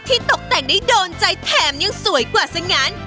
ตกแต่งได้โดนใจแถมยังสวยกว่าซะงั้น